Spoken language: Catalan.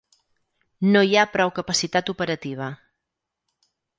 No hi ha prou capacitat operativa.